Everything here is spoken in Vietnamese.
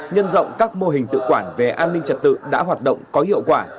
nhân rộng các mô hình tự quản về an ninh trật tự đã hoạt động có hiệu quả